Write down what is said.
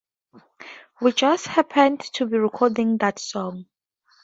We just happened to be recording that song.